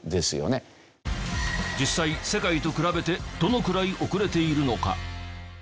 実際世界と比べてどのくらい遅れているのか？